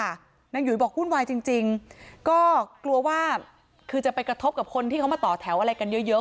นางหยุยบอกวุ่นวายจริงจริงก็กลัวว่าคือจะไปกระทบกับคนที่เขามาต่อแถวอะไรกันเยอะเยอะ